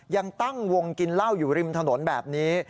ยังตั้งวงกินเหล้าอยู่ริมถนนแบบนี้